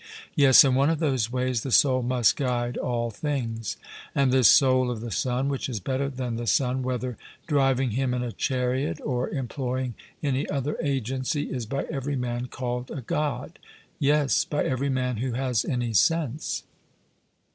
'Yes, in one of those ways the soul must guide all things.' And this soul of the sun, which is better than the sun, whether driving him in a chariot or employing any other agency, is by every man called a God? 'Yes, by every man who has any sense.'